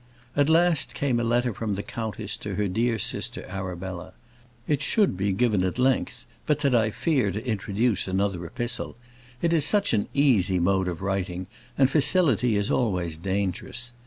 At last came a letter from the countess to her dear sister Arabella. It should be given at length, but that I fear to introduce another epistle. It is such an easy mode of writing, and facility is always dangerous.